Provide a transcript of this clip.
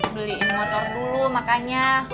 beliin motor dulu makanya